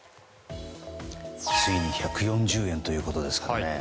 ついに１４０円ということですからね。